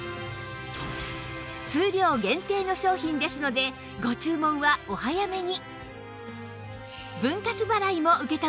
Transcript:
数量限定の商品ですのでご注文はお早めに！